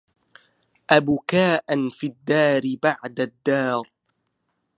أبكاء في الدار بعد الدار